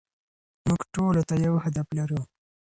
موږ ټولو ته يو هدف لرو.